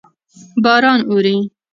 باران اوري.